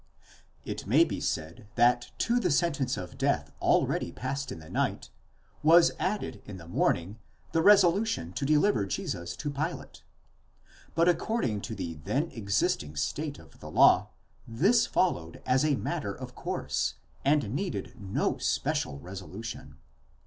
* It may be said that to the sentence of death already passed in the night, was added in the morning the resolution to deliver Jesus to Pilate: but according to the then existing state of the law, this followed as a matter of course, and needed no special resolution.